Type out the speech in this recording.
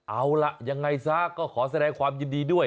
เอาล่ะยังไงซะก็ขอแสดงความยินดีด้วย